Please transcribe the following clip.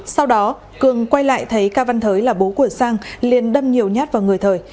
sau đó cường quay lại thấy ca văn thới là bố của sang liền đâm nhiều nhát vào người thời